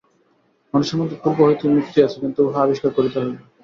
মানুষের মধ্যে পূর্ব হইতেই মুক্তি আছে, কিন্তু উহা আবিষ্কার করিতে হইবে।